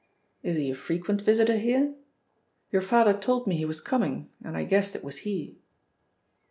Is he a frequent visitor here? Your father told me he was coming, and I guessed it was he."